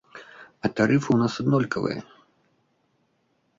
А тарыфы ў нас аднолькавыя.